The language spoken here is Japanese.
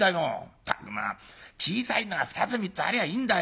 ったくまあ小さいのが２つ３つありゃあいいんだよ。